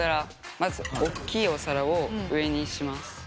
まずおっきいお皿を上にします。